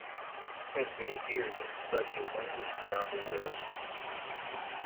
He spent many years in study of languages around the world.